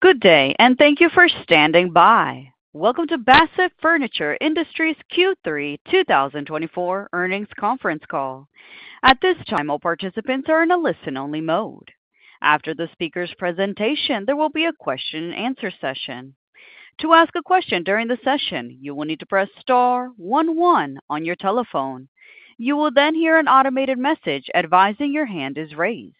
Good day, and thank you for standing by. Welcome to Bassett Furniture Industries' Q3 2024 Earnings Conference Call. At this time, all participants are in a listen-only mode. After the speaker's presentation, there will be a question-and-answer session. To ask a question during the session, you will need to press star one one on your telephone. You will then hear an automated message advising your hand is raised.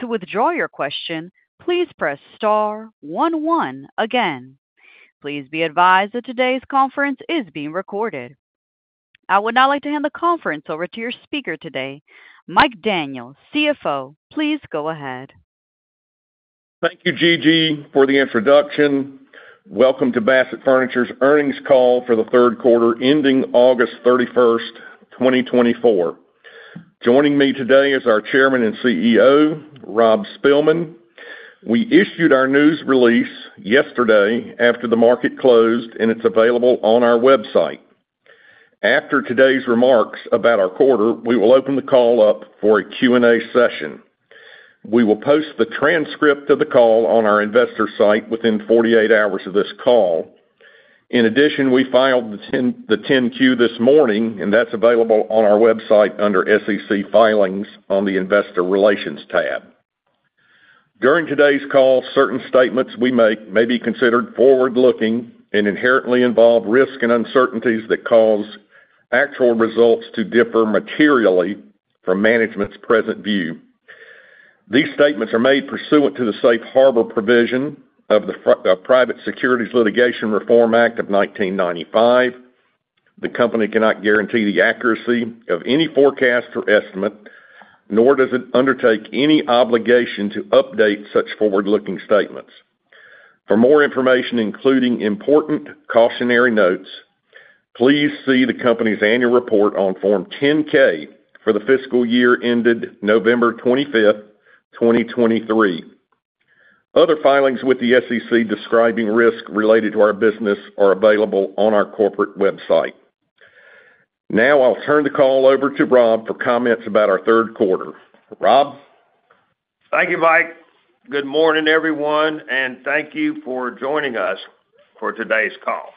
To withdraw your question, please press star one one again. Please be advised that today's conference is being recorded. I would now like to hand the conference over to your speaker today, Mike Daniel, CFO. Please go ahead. Thank you, Gigi, for the introduction. Welcome to Bassett Furniture's Earnings Call for the Third Quarter, ending August 31st, 2024. Joining me today is our Chairman and CEO, Rob Spilman. We issued our news release yesterday after the market closed, and it's available on our website. After today's remarks about our quarter, we will open the call up for a Q&A session. We will post the transcript of the call on our investor site within 48 hours of this call. In addition, we filed the 10-Q this morning, and that's available on our website under SEC Filings on the Investor Relations tab. During today's call, certain statements we make may be considered forward-looking and inherently involve risks and uncertainties that cause actual results to differ materially from management's present view. These statements are made pursuant to the safe harbor provision of the Private Securities Litigation Reform Act of 1995. The company cannot guarantee the accuracy of any forecast or estimate, nor does it undertake any obligation to update such forward-looking statements. For more information, including important cautionary notes, please see the company's annual report on Form 10-K for the fiscal year ended November 25th, 2023. Other filings with the SEC describing risks related to our business are available on our corporate website. Now, I'll turn the call over to Rob for comments about our third quarter. Rob? Thank you, Mike. Good morning, everyone, and thank you for joining us for today's call.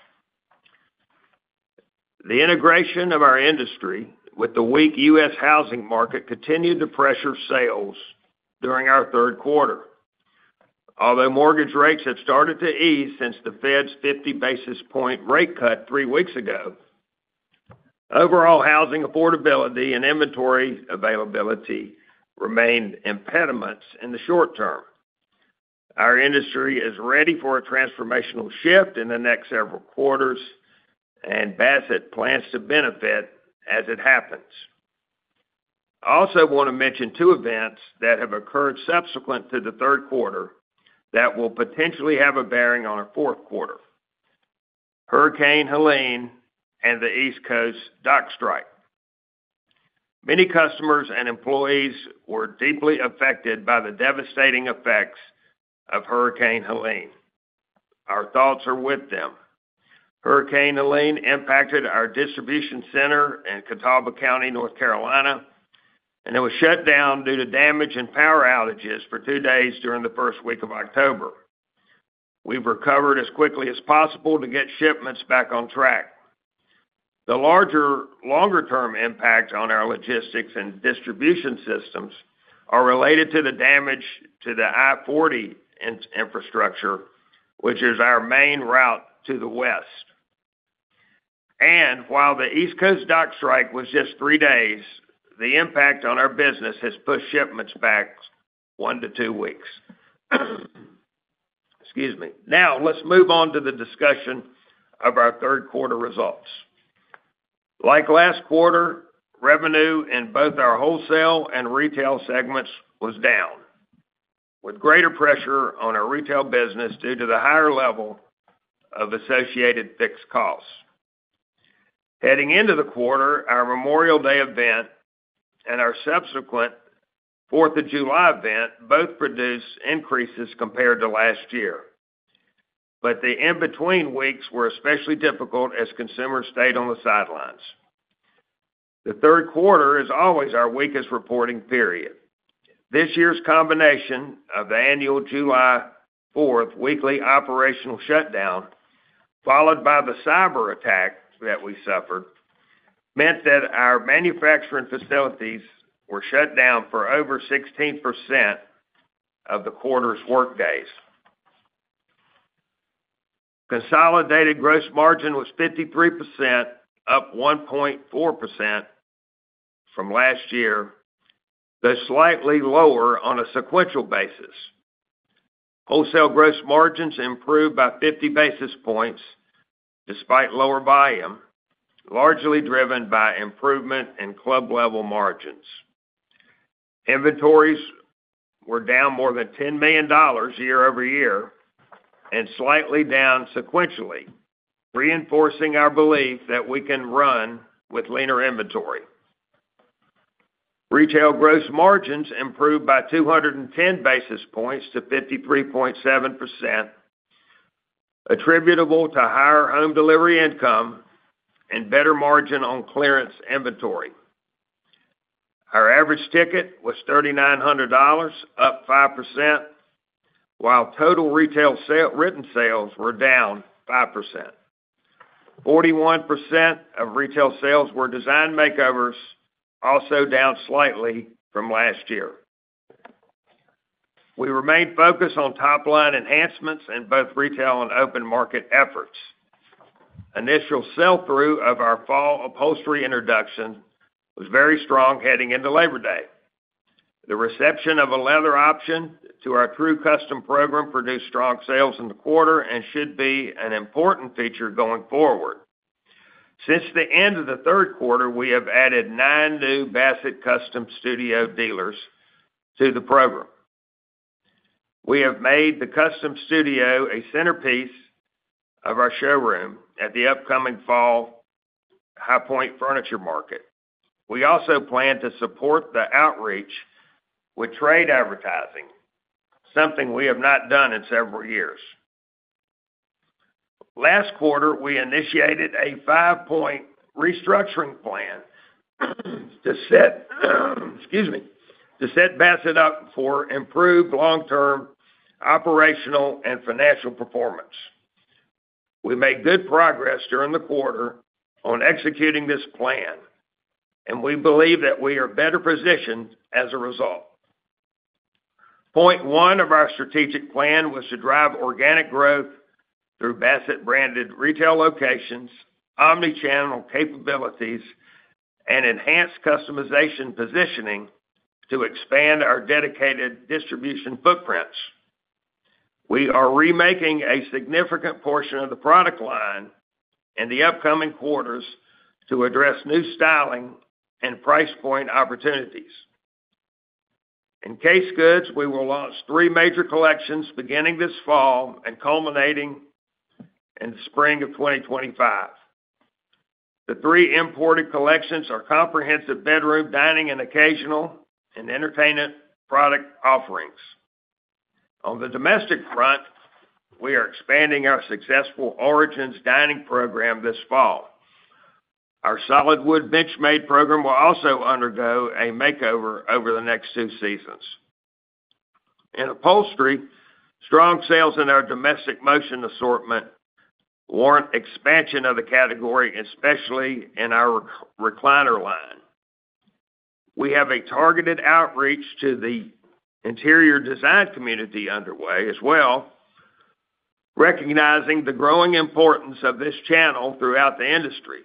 The integration of our industry with the weak U.S. housing market continued to pressure sales during our third quarter. Although mortgage rates have started to ease since the Fed's 50 basis point rate cut three weeks ago, overall housing affordability and inventory availability remained impediments in the short term. Our industry is ready for a transformational shift in the next several quarters, and Bassett plans to benefit as it happens. I also want to mention two events that have occurred subsequent to the third quarter that will potentially have a bearing on our fourth quarter: Hurricane Helene and the East Coast dock strike. Many customers and employees were deeply affected by the devastating effects of Hurricane Helene. Our thoughts are with them. Hurricane Helene impacted our distribution center in Catawba County, North Carolina, and it was shut down due to damage and power outages for two days during the first week of October. We've recovered as quickly as possible to get shipments back on track. The larger, longer-term impacts on our logistics and distribution systems are related to the damage to the I-40 infrastructure, which is our main route to the West. And while the East Coast dock strike was just three days, the impact on our business has pushed shipments back one to two weeks. Excuse me. Now, let's move on to the discussion of our third quarter results. Like last quarter, revenue in both our wholesale and retail segments was down, with greater pressure on our retail business due to the higher level of associated fixed costs. Heading into the quarter, our Memorial Day event and our subsequent 4th of July event both produced increases compared to last year, but the in-between weeks were especially difficult as consumers stayed on the sidelines. The third quarter is always our weakest reporting period. This year's combination of the annual July 4th weekly operational shutdown, followed by the cyberattack that we suffered, meant that our manufacturing facilities were shut down for over 16% of the quarter's workdays. Consolidated gross margin was 53%, up 1.4% from last year, though slightly lower on a sequential basis. Wholesale gross margins improved by 50 basis points, despite lower volume, largely driven by improvement in Club Level margins. Inventories were down more than $10 million year-over-year and slightly down sequentially, reinforcing our belief that we can run with leaner inventory. Retail gross margins improved by 210 basis points to 53.7%, attributable to higher home delivery income and better margin on clearance inventory. Our average ticket was $3,900, up 5%, while total retail written sales were down 5%. 41% of retail sales were design makeovers, also down slightly from last year. We remained focused on top-line enhancements in both retail and open market efforts. Initial sell-through of our fall upholstery introduction was very strong heading into Labor Day. The reception of a leather option to our True Custom program produced strong sales in the quarter and should be an important feature going forward. Since the end of the third quarter, we have added nine new Bassett Custom Studio dealers to the program. We have made the Custom Studio a centerpiece of our showroom at the upcoming Fall High Point Furniture Market. We also plan to support the outreach with trade advertising, something we have not done in several years. Last quarter, we initiated a five-point restructuring plan to set, excuse me, to set Bassett up for improved long-term operational and financial performance. We made good progress during the quarter on executing this plan, and we believe that we are better positioned as a result. Point one of our strategic plan was to drive organic growth through Bassett-branded retail locations, omni-channel capabilities, and enhanced customization positioning to expand our dedicated distribution footprints. We are remaking a significant portion of the product line in the upcoming quarters to address new styling and price point opportunities. In case goods, we will launch three major collections beginning this fall and culminating in the spring of 2025. The three imported collections are comprehensive bedroom, dining, and occasional, and entertainment product offerings. On the domestic front, we are expanding our successful Origins Dining program this fall. Our solid wood BenchMade program will also undergo a makeover over the next two seasons. In upholstery, strong sales in our domestic motion assortment warrant expansion of the category, especially in our recliner line. We have a targeted outreach to the interior design community underway as well, recognizing the growing importance of this channel throughout the industry.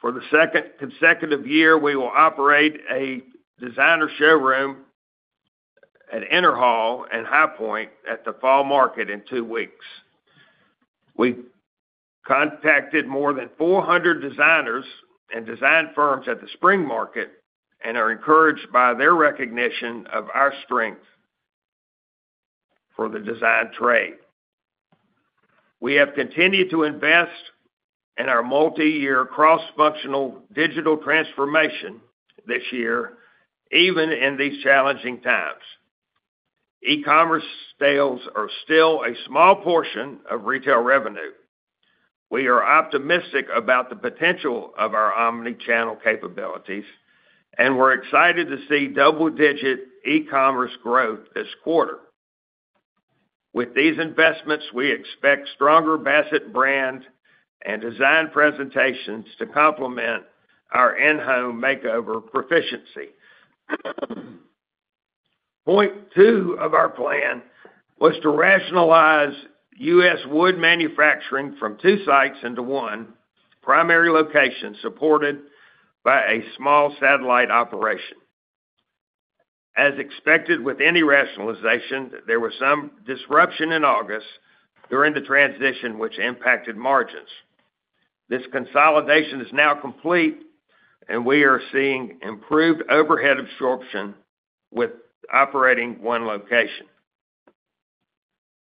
For the second consecutive year, we will operate a designer showroom at InterHall and High Point at the fall market in two weeks. We contacted more than 400 designers and design firms at the spring market and are encouraged by their recognition of our strength for the design trade. We have continued to invest in our multi-year cross-functional digital transformation this year, even in these challenging times. E-commerce sales are still a small portion of retail revenue. We are optimistic about the potential of our omni-channel capabilities, and we're excited to see double-digit e-commerce growth this quarter. With these investments, we expect stronger Bassett brand and design presentations to complement our in-home makeover proficiency. Point two of our plan was to rationalize U.S. wood manufacturing from two sites into one primary location, supported by a small satellite operation. As expected, with any rationalization, there was some disruption in August during the transition, which impacted margins. This consolidation is now complete, and we are seeing improved overhead absorption with operating one location.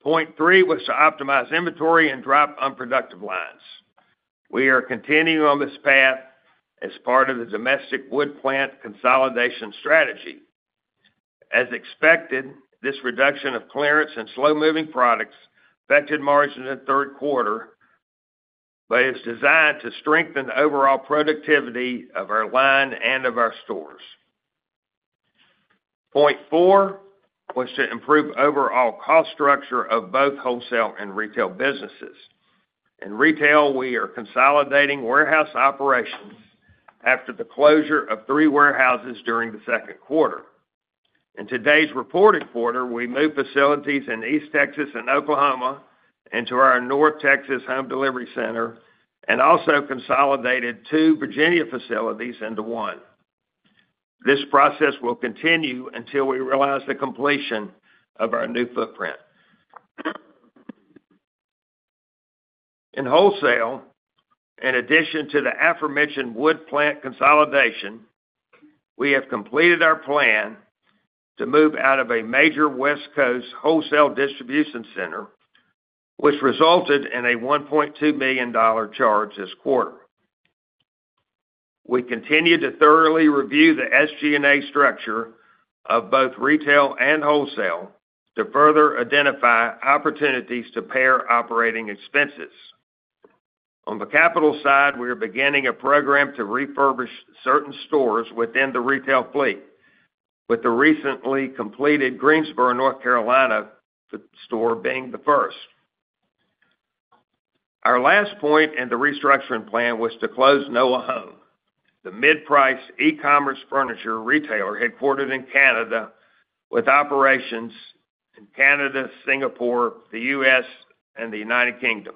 Point three was to optimize inventory and drop unproductive lines. We are continuing on this path as part of the domestic wood plant consolidation strategy. As expected, this reduction of clearance and slow-moving products affected margins in the third quarter, but it's designed to strengthen overall productivity of our line and of our stores. Point four was to improve overall cost structure of both wholesale and retail businesses. In retail, we are consolidating warehouse operations after the closure of three warehouses during the second quarter. In today's reported quarter, we moved facilities in East Texas and Oklahoma into our North Texas home delivery center and also consolidated two Virginia facilities into one. This process will continue until we realize the completion of our new footprint. In wholesale, in addition to the aforementioned wood plant consolidation, we have completed our plan to move out of a major West Coast wholesale distribution center, which resulted in a $1.2 million charge this quarter. We continue to thoroughly review the SG&A structure of both retail and wholesale to further identify opportunities to pare operating expenses. On the capital side, we are beginning a program to refurbish certain stores within the retail fleet, with the recently completed Greensboro, North Carolina, store being the first. Our last point in the restructuring plan was to close Noa Home, the mid-price e-commerce furniture retailer headquartered in Canada, with operations in Canada, Singapore, the U.S., and the United Kingdom.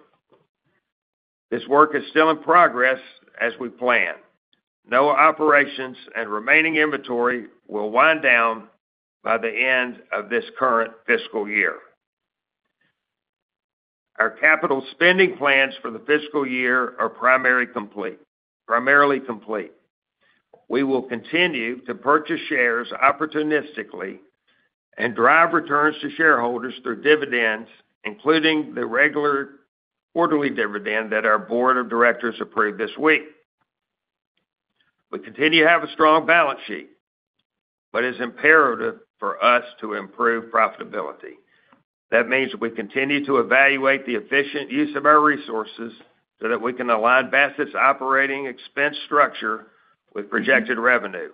This work is still in progress as we plan. Noa operations and remaining inventory will wind down by the end of this current fiscal year. Our capital spending plans for the fiscal year are primarily complete. We will continue to purchase shares opportunistically and drive returns to shareholders through dividends, including the regular quarterly dividend that our board of directors approved this week. We continue to have a strong balance sheet, but it's imperative for us to improve profitability. That means we continue to evaluate the efficient use of our resources so that we can align Bassett's operating expense structure with projected revenue.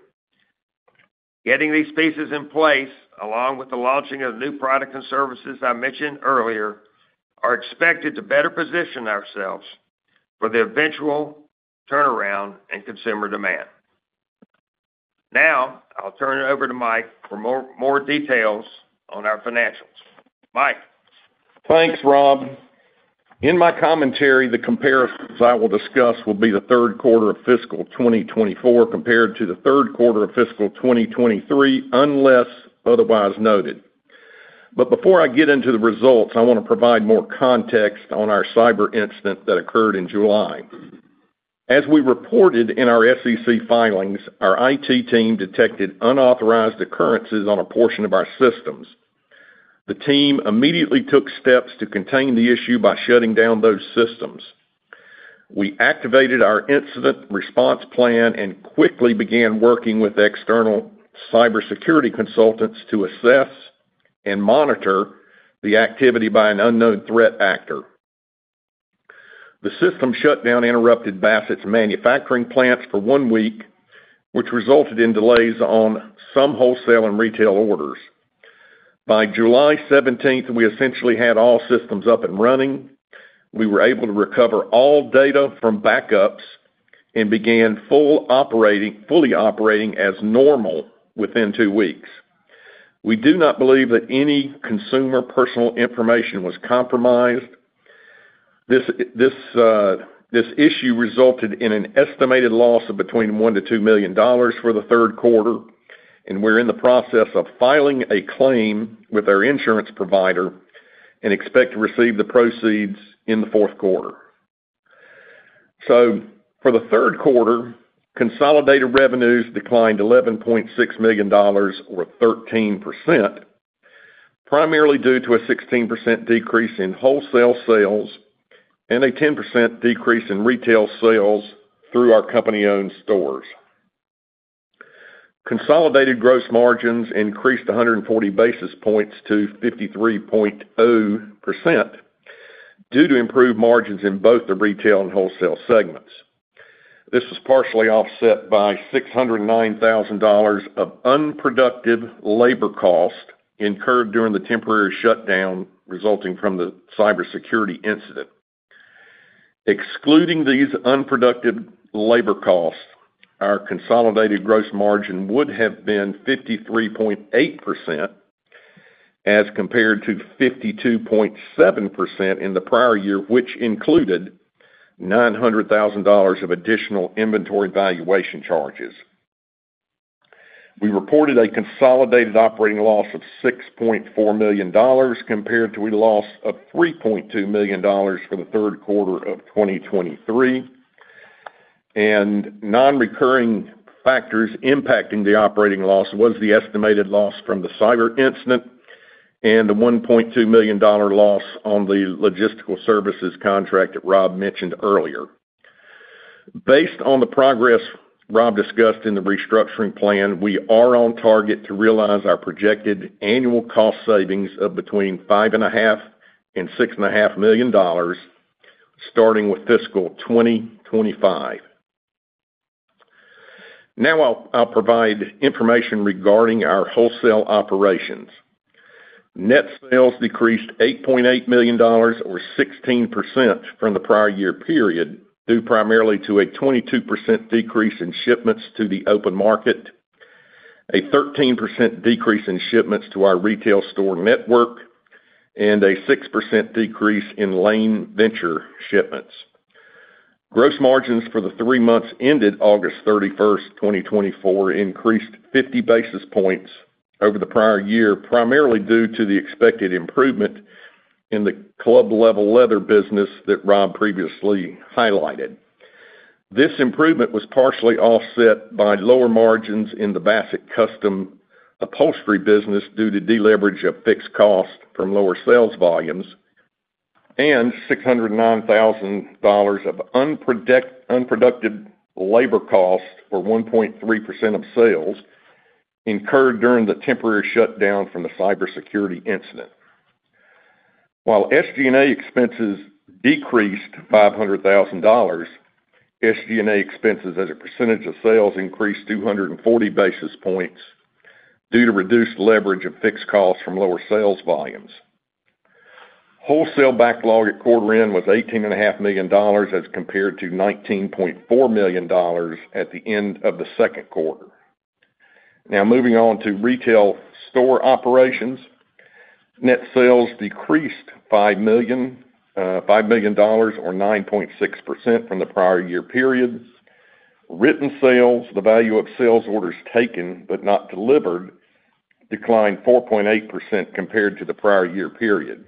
Getting these pieces in place, along with the launching of new products and services I mentioned earlier, are expected to better position ourselves for the eventual turnaround in consumer demand. Now, I'll turn it over to Mike for more details on our financials. Mike? Thanks, Rob. In my commentary, the comparisons I will discuss will be the third quarter of fiscal 2024, compared to the third quarter of fiscal 2023, unless otherwise noted. But before I get into the results, I want to provide more context on our cyber incident that occurred in July. As we reported in our SEC filings, our IT team detected unauthorized occurrences on a portion of our systems. The team immediately took steps to contain the issue by shutting down those systems. We activated our incident response plan and quickly began working with external cybersecurity consultants to assess and monitor the activity by an unknown threat actor. The system shutdown interrupted Bassett's manufacturing plants for one week, which resulted in delays on some wholesale and retail orders. By July 17th, we essentially had all systems up and running. We were able to recover all data from backups and began fully operating as normal within two weeks. We do not believe that any consumer personal information was compromised. This issue resulted in an estimated loss of between $1 million-$2 million for the third quarter, and we're in the process of filing a claim with our insurance provider and expect to receive the proceeds in the fourth quarter. So for the third quarter, consolidated revenues declined $11.6 million or 13%, primarily due to a 16% decrease in wholesale sales and a 10% decrease in retail sales through our company-owned stores. Consolidated gross margins increased 140 basis points to 53.0%, due to improved margins in both the retail and wholesale segments. This was partially offset by $609,000 of unproductive labor cost incurred during the temporary shutdown, resulting from the cybersecurity incident. Excluding these unproductive labor costs, our consolidated gross margin would have been 53.8%, as compared to 52.7% in the prior year, which included $900,000 of additional inventory valuation charges. We reported a consolidated operating loss of $6.4 million, compared to a loss of $3.2 million for the third quarter of 2023, and nonrecurring factors impacting the operating loss was the estimated loss from the cyber incident and the $1.2 million dollar loss on the logistical services contract that Rob mentioned earlier. Based on the progress Rob discussed in the restructuring plan, we are on target to realize our projected annual cost savings of between $5.5 million and $6.5 million, starting with fiscal 2025. Now, I'll provide information regarding our wholesale operations. Net sales decreased $8.8 million or 16% from the prior-year period, due primarily to a 22% decrease in shipments to the open market, a 13% decrease in shipments to our retail store network, and a 6% decrease in Lane Venture shipments. Gross margins for the three months ended August 31st, 2024, increased 50 basis points over the prior year, primarily due to the expected improvement in the Club Level leather business that Rob previously highlighted. This improvement was partially offset by lower margins in the Bassett Custom Upholstery business due to deleverage of fixed costs from lower sales volumes, and $609,000 of unproductive labor costs, or 1.3% of sales, incurred during the temporary shutdown from the cybersecurity incident. While SG&A expenses decreased $500,000, SG&A expenses as a percentage of sales increased 240 basis points due to reduced leverage of fixed costs from lower sales volumes. Wholesale backlog at quarter end was $18.5 million, as compared to $19.4 million at the end of the second quarter. Now moving on to retail store operations. Net sales decreased $5 million, $5 million or 9.6% from the prior-year periods. Written sales, the value of sales orders taken but not delivered, declined 4.8% compared to the prior-year period.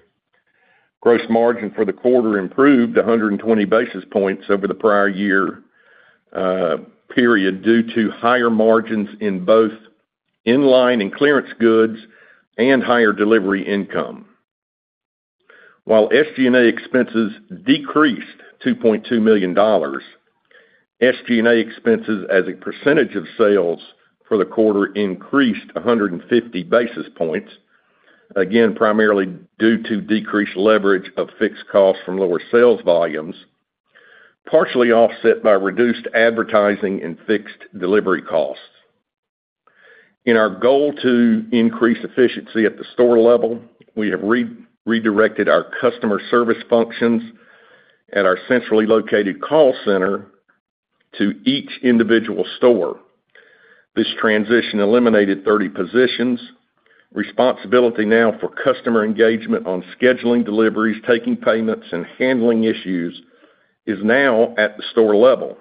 Gross margin for the quarter improved 120 basis points over the prior-year period, due to higher margins in both in-line and clearance goods and higher delivery income. While SG&A expenses decreased $2.2 million, SG&A expenses as a percentage of sales for the quarter increased 150 basis points, again, primarily due to decreased leverage of fixed costs from lower sales volumes, partially offset by reduced advertising and fixed delivery costs. In our goal to increase efficiency at the store level, we have re-redirected our customer service functions at our centrally located call center to each individual store. This transition eliminated 30 positions. Responsibility now for customer engagement on scheduling deliveries, taking payments, and handling issues is now at the store level,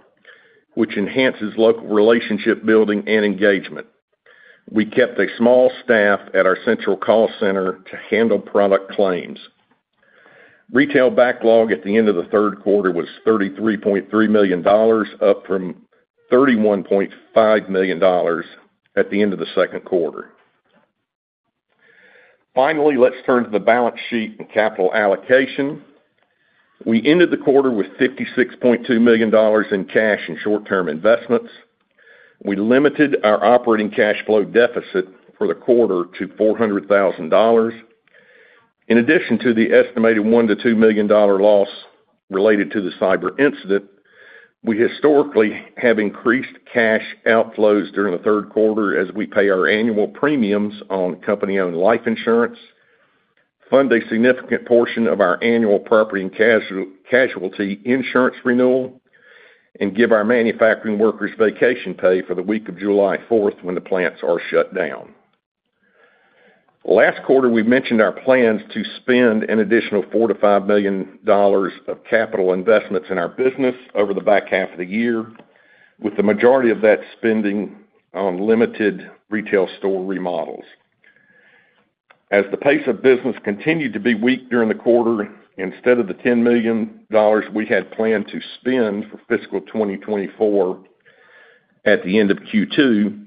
which enhances local relationship building and engagement. We kept a small staff at our central call center to handle product claims. Retail backlog at the end of the third quarter was $33.3 million, up from $31.5 million at the end of the second quarter. Finally, let's turn to the balance sheet and capital allocation. We ended the quarter with $56.2 million in cash and short-term investments. We limited our operating cash flow deficit for the quarter to $400,000. In addition to the estimated $1 million-$2 million loss related to the cyber incident, we historically have increased cash outflows during the third quarter as we pay our annual premiums on company-owned life insurance, fund a significant portion of our annual property and casualty insurance renewal, and give our manufacturing workers vacation pay for the week of July 4th, when the plants are shut down. Last quarter, we mentioned our plans to spend an additional $4 million-$5 million of capital investments in our business over the back half of the year, with the majority of that spending on limited retail store remodels. As the pace of business continued to be weak during the quarter, instead of the $10 million we had planned to spend for fiscal 2024 at the end of Q2, we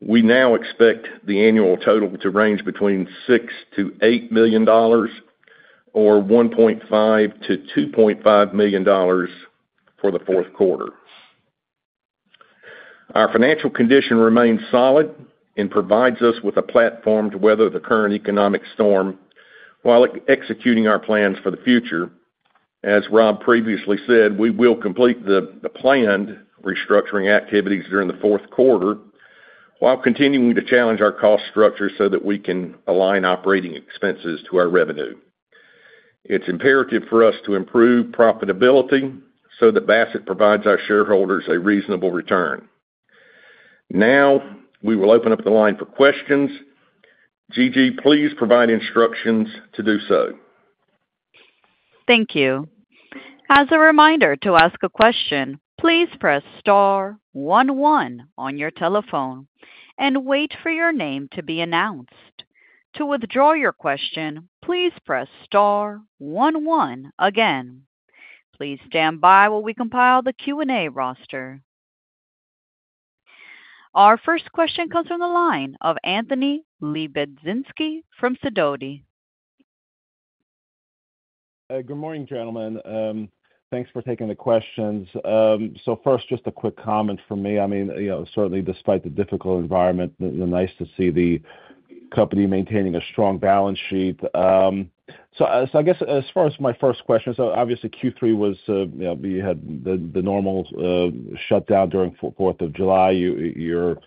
now expect the annual total to range between $6 million-$8 million or $1.5 million-$2.5 million for the fourth quarter. Our financial condition remains solid and provides us with a platform to weather the current economic storm while executing our plans for the future. As Rob previously said, we will complete the planned restructuring activities during the fourth quarter, while continuing to challenge our cost structure so that we can align operating expenses to our revenue. It's imperative for us to improve profitability so that Bassett provides our shareholders a reasonable return. Now, we will open up the line for questions. Gigi, please provide instructions to do so. Thank you. As a reminder to ask a question, please press star one one on your telephone and wait for your name to be announced. To withdraw your question, please press star one one again. Please stand by while we compile the Q&A roster. Our first question comes from the line of Anthony Lebiedzinski from Sidoti. Good morning, gentlemen. Thanks for taking the questions. So first, just a quick comment from me. I mean, you know, certainly despite the difficult environment, nice to see the company maintaining a strong balance sheet. So I guess, as far as my first question, so obviously Q3 was, you know, we had the normal shutdown during 4th of July. You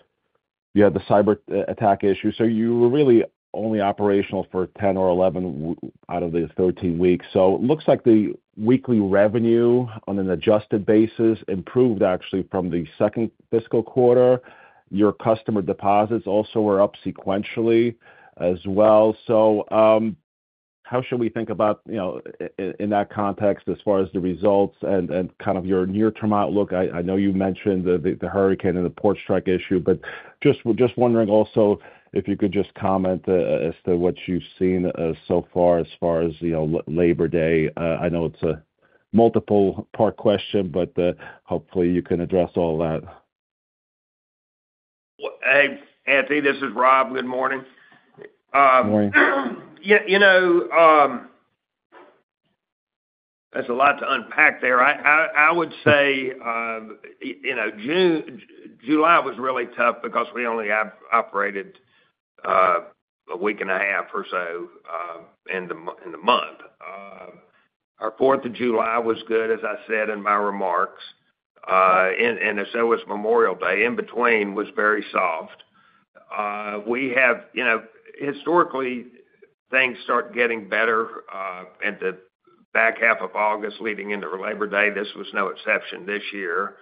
had the cyber attack issue, so you were really only operational for 10 or 11 out of the 13 weeks. So it looks like the weekly revenue on an adjusted basis improved actually from the second fiscal quarter. Your customer deposits also were up sequentially as well. So, how should we think about, you know, in that context as far as the results and kind of your near-term outlook? I know you mentioned the hurricane and the port strike issue, but just wondering also if you could just comment as to what you've seen so far as far as, you know, Labor Day. I know it's a multiple-part question, but hopefully, you can address all that. Well, hey, Anthony, this is Rob. Good morning. Good morning. Yeah, you know, there's a lot to unpack there. I would say, you know, June-July was really tough because we only operated a week and a half or so in the month. Our 4th of July was good, as I said in my remarks, and so was Memorial Day. In between was very soft. We have, you know, historically, things start getting better at the back half of August, leading into Labor Day. This was no exception this year.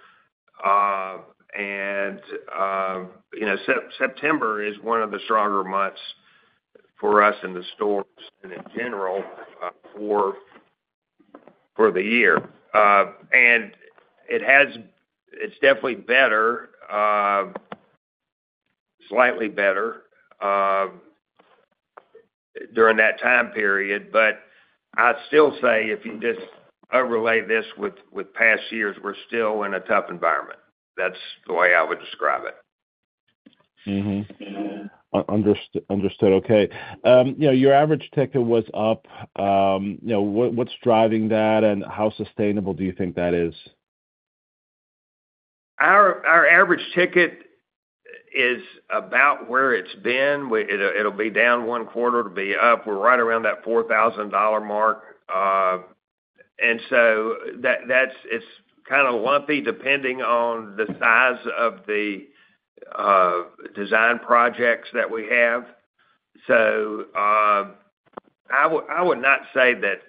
And, you know, September is one of the stronger months for us in the stores and in general for the year. And it's definitely better, slightly better, during that time period. But I'd still say, if you just overlay this with, with past years, we're still in a tough environment. That's the way I would describe it. Understood. Okay. You know, your average ticket was up. You know, what's driving that, and how sustainable do you think that is? Our average ticket is about where it's been. It'll be down one quarter, it'll be up. We're right around that $4,000 mark. And so that's it's kind of lumpy, depending on the size of the design projects that we have. So I would not say that.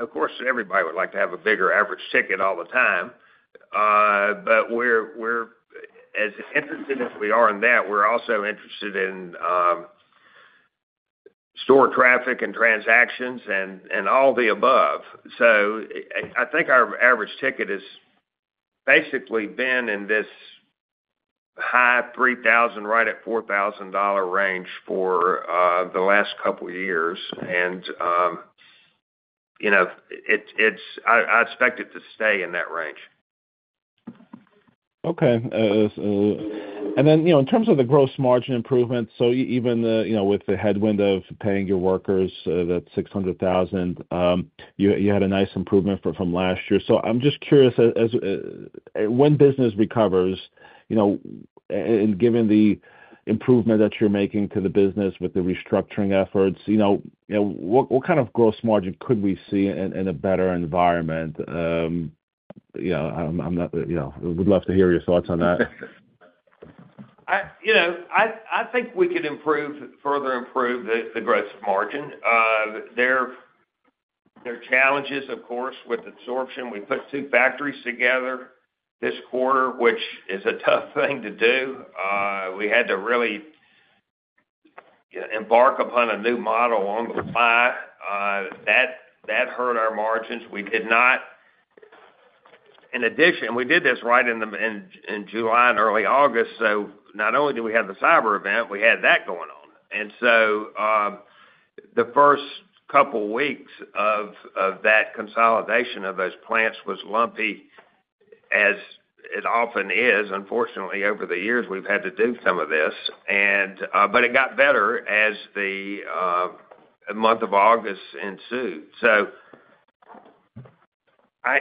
Of course, everybody would like to have a bigger average ticket all the time, but we're as interested as we are in that, we're also interested in store traffic and transactions and all the above. So I think our average ticket has basically been in this high-$3,000, right at $4,000 range for the last couple years. You know, it's I expect it to stay in that range. Okay. So and then, you know, in terms of the gross margin improvement, so even with the headwind of paying your workers, that $600,000, you had a nice improvement from last year. So I'm just curious, as when business recovers, you know, and given the improvement that you're making to the business with the restructuring efforts, you know, what kind of gross margin could we see in a better environment? You know, I'm not, you know, would love to hear your thoughts on that. You know, I think we can improve, further improve the gross margin. There are challenges, of course, with absorption. We put two factories together this quarter, which is a tough thing to do. We had to really embark upon a new model on the fly. That hurt our margins. In addition, we did this right in mid-July and early August, so not only did we have the cyber event, we had that going on. So, the first couple weeks of that consolidation of those plants was lumpy, as it often is. Unfortunately, over the years, we've had to do some of this. And but it got better as the month of August ensued. So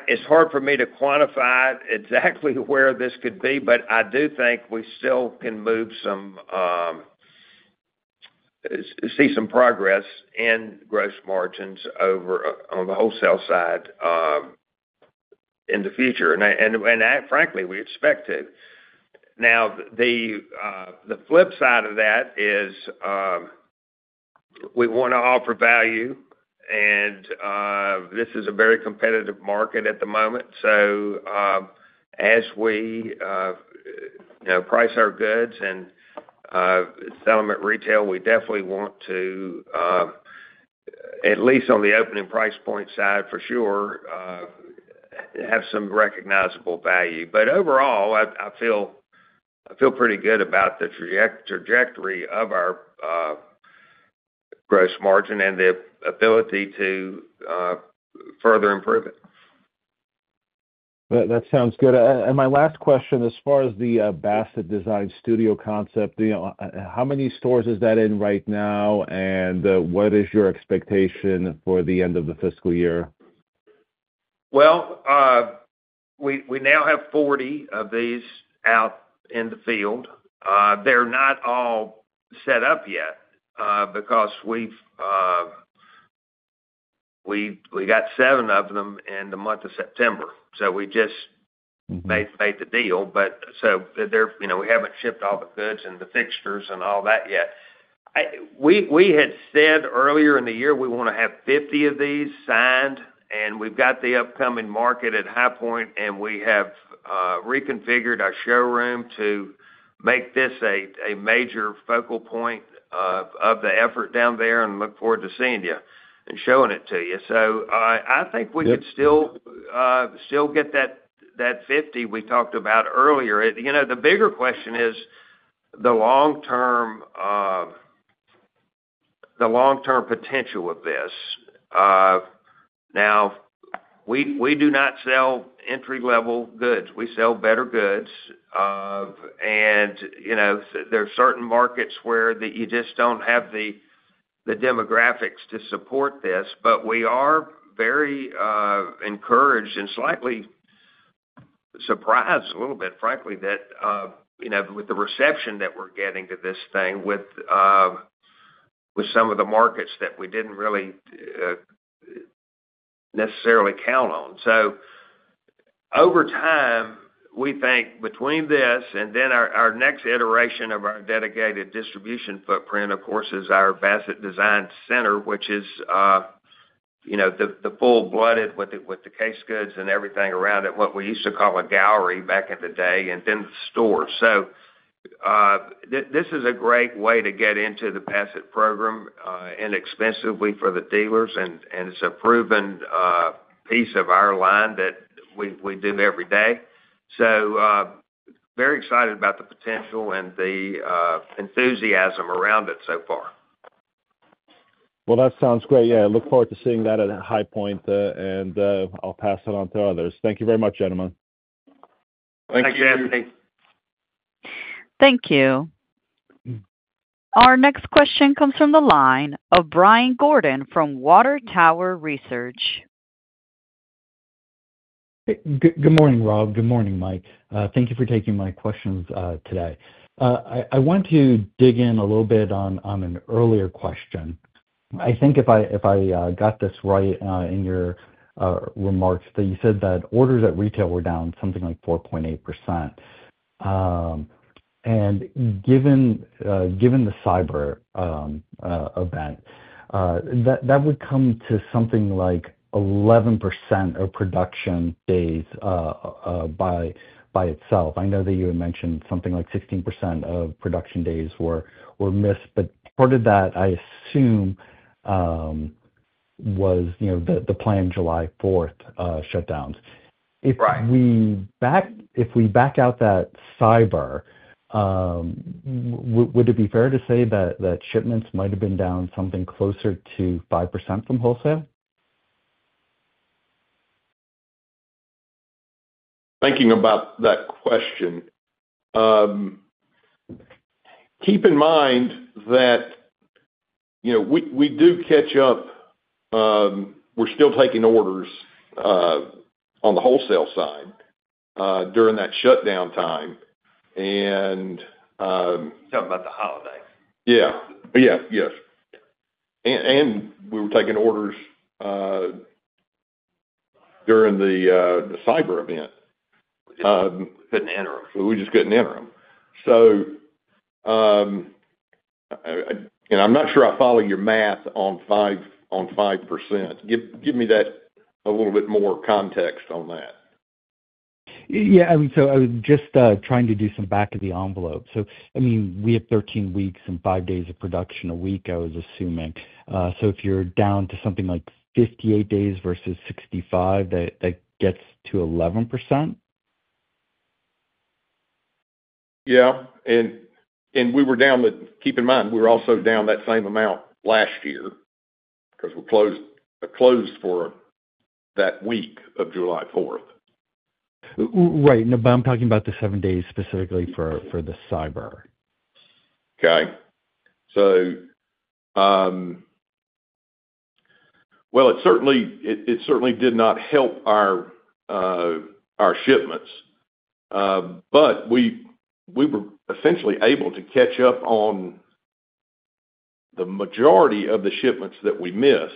it's hard for me to quantify exactly where this could be, but I do think we still can move some, see some progress in gross margins over on the wholesale side in the future. And that, frankly, we expect to. Now, the flip side of that is, we want to offer value, and this is a very competitive market at the moment. So, as we, you know, price our goods and sell them at retail, we definitely want to, at least on the opening price point side, for sure, have some recognizable value. But overall, I feel pretty good about the trajectory of our gross margin and the ability to further improve it. That, that sounds good. And my last question, as far as the Bassett Design Studio concept, you know, how many stores is that in right now? And what is your expectation for the end of the fiscal year? We now have 40 of these out in the field. They're not all set up yet because we got seven of them in the month of September, so we just made the deal, but so they're, you know, we haven't shipped all the goods and the fixtures and all that yet. We had said earlier in the year, we want to have 50 of these signed, and we've got the upcoming market at High Point, and we have reconfigured our showroom to make this a major focal point of the effort down there, and look forward to seeing you and showing it to you. So I think- Yep. We could still get that 50 we talked about earlier. You know, the bigger question is the long-term potential of this. Now, we do not sell entry-level goods. We sell better goods. And, you know, there are certain markets where you just don't have the demographics to support this, but we are very encouraged and slightly surprised a little bit, frankly, that you know, with the reception that we're getting to this thing, with some of the markets that we didn't really necessarily count on. So over time, we think between this and then our next iteration of our dedicated distribution footprint, of course, is our Bassett Design Center, which is, you know, the full-blooded with the case goods and everything around it, what we used to call a gallery back in the day, and then the store. So, this is a great way to get into the Bassett program, inexpensively for the dealers, and it's a proven piece of our line that we do every day. So, very excited about the potential and the enthusiasm around it so far. That sounds great. Yeah, I look forward to seeing that at High Point, and I'll pass it on to others. Thank you very much, gentlemen. Thank you. Thank you. Our next question comes from the line of Brian Gordon from Water Tower Research. Good morning, Rob. Good morning, Mike. Thank you for taking my questions today. I want to dig in a little bit on an earlier question. I think if I got this right, in your remarks, that you said that orders at retail were down something like 4.8%. And given the cyber event, that would come to something like 11% of production days by itself. I know that you had mentioned something like 16% of production days were missed, but part of that, I assume, was, you know, the planned July 4th shutdowns. Right. If we back out that cyber, would it be fair to say that shipments might have been down something closer to 5% from wholesale? Thinking about that question, keep in mind that, you know, we do catch up. We're still taking orders on the wholesale side during that shutdown time. Talking about the holidays. Yeah. Yeah, yes. And we were taking orders during the cyber event. We couldn't enter them. We just couldn't enter them. So, and I'm not sure I follow your math on 5%. Give me that a little bit more context on that. Yeah, I mean, so I was just trying to do some back of the envelope. So, I mean, we have 13 weeks and five days of production a week, I was assuming. So if you're down to something like 58 days versus 65, that gets to 11%? Yeah, and we were down with. Keep in mind, we were also down that same amount last year because we're closed, closed for that week of July 4th. Right. No, but I'm talking about the seven days specifically for the cyber. Okay. So, well, it certainly did not help our shipments. But we were essentially able to catch up on the majority of the shipments that we missed.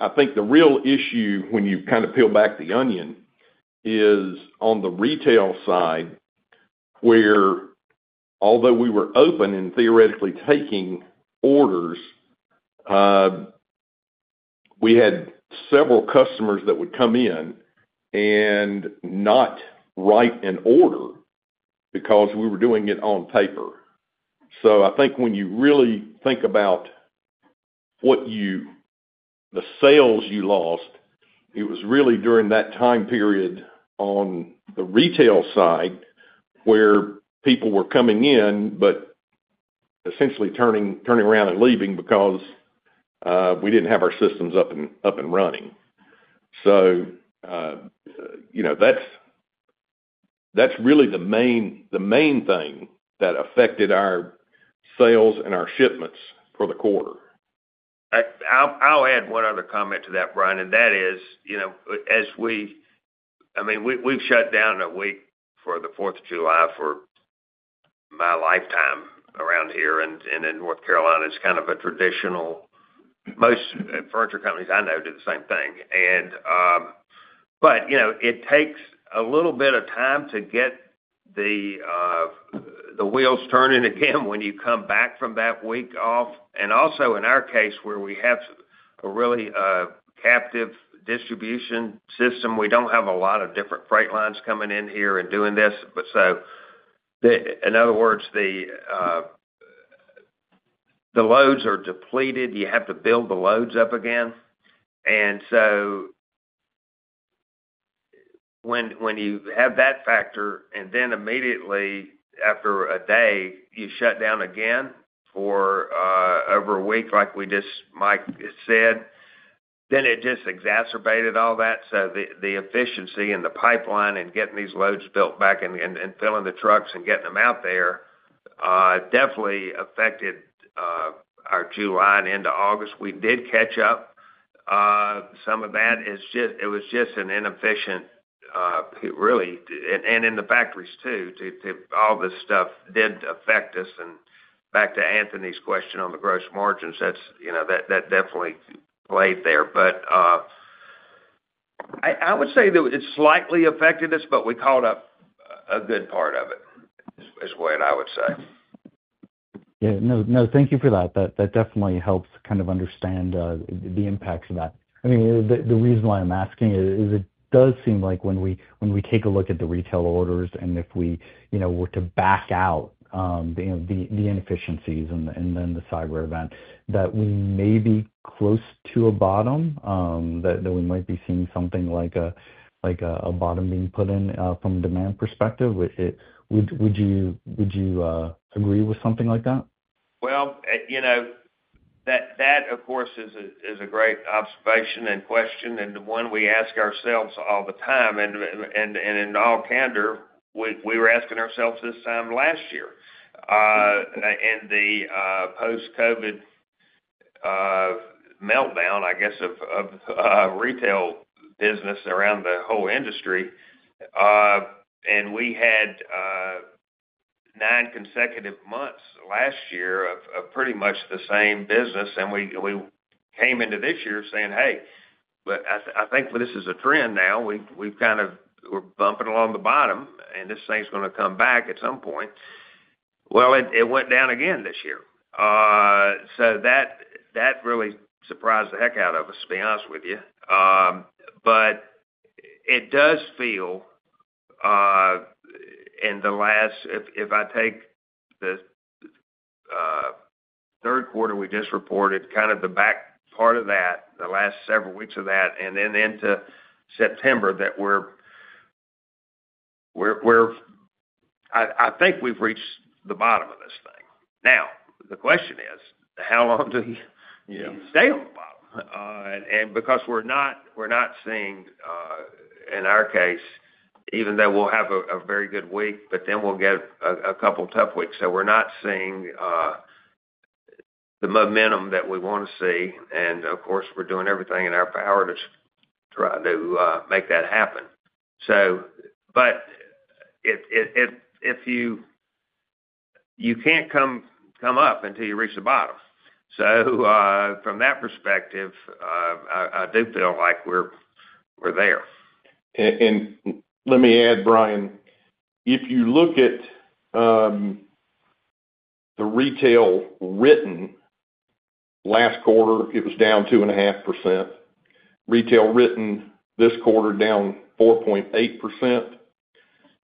I think the real issue when you kind of peel back the onion is on the retail side, where although we were open and theoretically taking orders, we had several customers that would come in and not write an order because we were doing it on paper. So I think when you really think about what the sales you lost, it was really during that time period on the retail side, where people were coming in, but essentially turning around and leaving because we didn't have our systems up and running. You know, that's really the main thing that affected our sales and our shipments for the quarter. I'll add one other comment to that, Brian, and that is, you know, as we - I mean, we've shut down a week for the 4th of July for my lifetime around here and in North Carolina. It's kind of a traditional. Most furniture companies I know do the same thing. And, but, you know, it takes a little bit of time to get the wheels turning again when you come back from that week off, and also in our case, where we have a really captive distribution system. We don't have a lot of different freight lines coming in here and doing this. But so the - in other words, the loads are depleted. You have to build the loads up again. And so when you have that factor, and then immediately after a day, you shut down again for over a week, like we just did. Mike said. Then it just exacerbated all that. The efficiency and the pipeline and getting these loads built back and filling the trucks and getting them out there definitely affected our July and into August. We did catch up some of that. It was just an inefficient, really, and in the factories too, all this stuff did affect us. Back to Anthony's question on the gross margins, that's, you know, that definitely played there. I would say that it slightly affected us, but we caught up a good part of it. That is what I would say. Yeah, no, no, thank you for that. That, that definitely helps kind of understand the impacts of that. I mean, the reason why I'm asking is it does seem like when we take a look at the retail orders, and if we, you know, were to back out the inefficiencies and then the cyber event, that we may be close to a bottom, that we might be seeing something like a bottom being put in from a demand perspective. Would you agree with something like that? Well, you know, that of course is a great observation and question, and the one we ask ourselves all the time, and in all candor, we were asking ourselves this time last year. And the post-COVID meltdown, I guess, of retail business around the whole industry. And we had nine consecutive months last year of pretty much the same business, and we came into this year saying, "Hey, but I think this is a trend now. We're bumping along the bottom, and this thing's gonna come back at some point." Well, it went down again this year. So that really surprised the heck out of us, to be honest with you. But it does feel in the last if I take the third quarter we just reported kind of the back part of that, the last several weeks of that, and then into September, that I think we've reached the bottom of this thing. Now, the question is, how long do we stay on the bottom? And because we're not seeing, in our case, even though we'll have a very good week but then we'll get a couple tough weeks. So we're not seeing the momentum that we wanna see. And of course, we're doing everything in our power to try to make that happen. So but if you can't come up until you reach the bottom. So from that perspective, I do feel like we're there. Let me add, Brian, if you look at the retail written, last quarter, it was down 2.5%. Retail written this quarter, down 4.8%.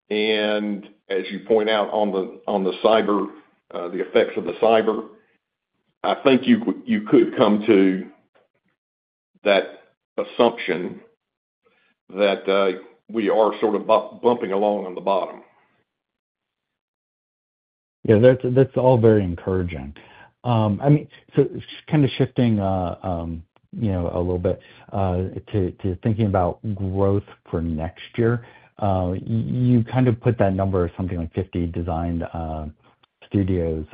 And as you point out on the cyber, the effects of the cyber, I think you could come to that assumption that we are sort of bumping along on the bottom. Yeah, that's, that's all very encouraging. I mean, so just kinda shifting, you know, a little bit to thinking about growth for next year. You kind of put that number of something like 50 design studios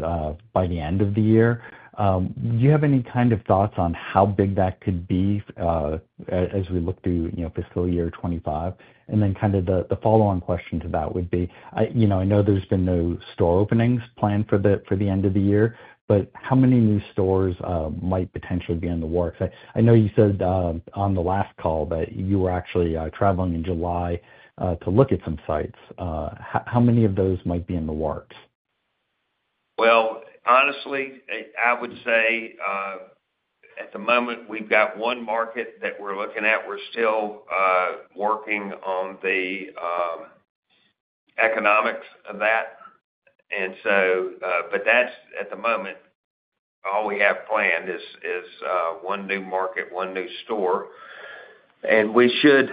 by the end of the year. Do you have any kind of thoughts on how big that could be as we look through, you know, fiscal year 2025? And then kind of the follow-on question to that would be, you know, I know there's been no store openings planned for the end of the year, but how many new stores might potentially be in the works? I know you said on the last call that you were actually traveling in July to look at some sites. How many of those might be in the works? Honestly, I would say at the moment we've got one market that we're looking at. We're still working on the economics of that. But that's at the moment all we have planned is one new market, one new store, and we should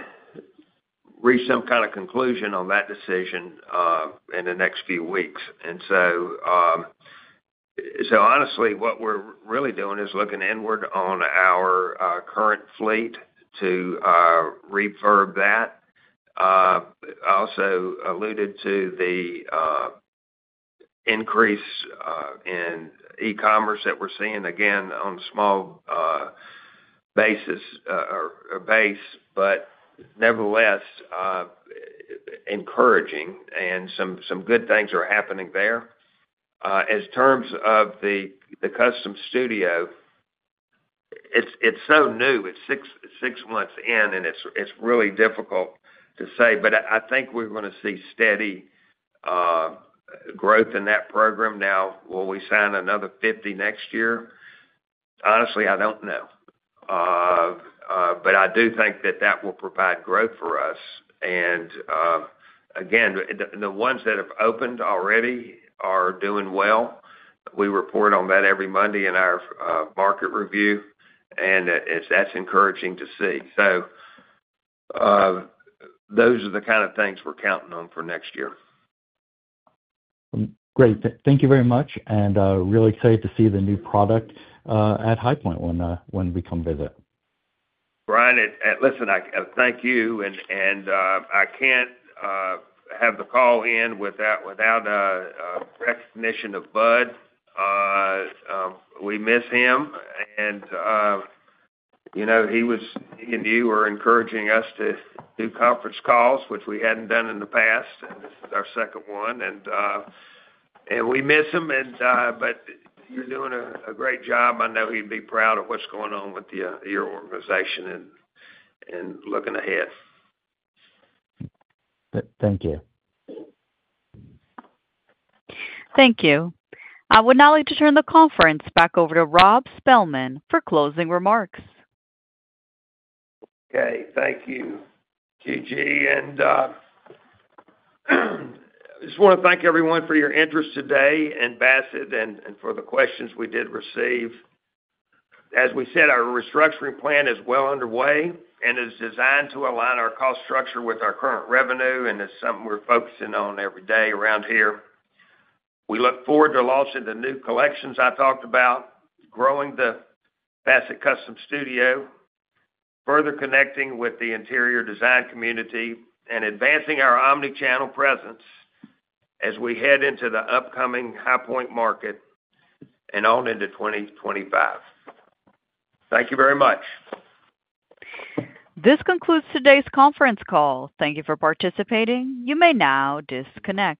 reach some kind of conclusion on that decision in the next few weeks. Honestly, what we're really doing is looking inward on our current fleet to refurb that. I also alluded to the increase in e-commerce that we're seeing, again, on a small basis or base, but nevertheless encouraging, and some good things are happening there. In terms of the Custom Studio, it's so new. It's six months in, and it's really difficult to say, but I think we're gonna see steady growth in that program. Now, will we sign another 50 next year? Honestly, I don't know, but I do think that that will provide growth for us. Again, the ones that have opened already are doing well. We report on that every Monday in our market review, and that's encouraging to see. Those are the kind of things we're counting on for next year. Great. Thank you very much, and really excited to see the new product at High Point when we come visit. Brian, listen, I thank you, and I can't have the call in without a recognition of Budd. We miss him, and you know, he and you were encouraging us to do conference calls, which we hadn't done in the past, and this is our second one. We miss him, but you're doing a great job. I know he'd be proud of what's going on with your organization and looking ahead. Thank you. Thank you. I would now like to turn the conference back over to Rob Spilman for closing remarks. Okay. Thank you, Gigi, and I just wanna thank everyone for your interest today and Bassett, and for the questions we did receive. As we said, our restructuring plan is well underway and is designed to align our cost structure with our current revenue, and it's something we're focusing on every day around here. We look forward to launching the new collections I talked about, growing the Bassett Custom Studio, further connecting with the interior design community, and advancing our omni-channel presence as we head into the upcoming High Point market and on into 2025. Thank you very much. This concludes today's conference call. Thank you for participating. You may now disconnect.